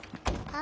あ